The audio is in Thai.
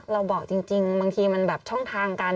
บอกจริงบางทีมันแบบช่องทางกัน